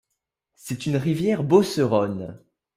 C'est une rivière beauceronne.